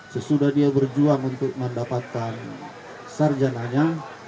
sesudah dia berjuang untuk mendapatkan sarjananya